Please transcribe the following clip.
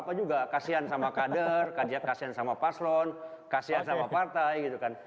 apa juga kasihan sama kader kasihan sama paslon kasihan sama partai gitu kan